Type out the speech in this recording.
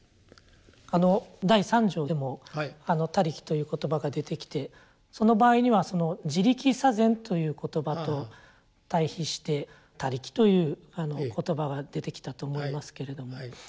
あの第三条でも「他力」という言葉が出てきてその場合には「自力作善」という言葉と対比して「他力」という言葉が出てきたと思いますけれども。